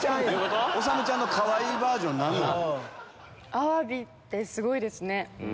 アワビってすごいですね。